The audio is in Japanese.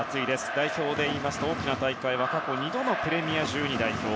代表でいいますと、大きな大会は過去２度のプレミア１２代表。